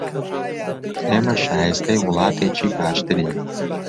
ئێمە شایستەی وڵاتێکی باشترین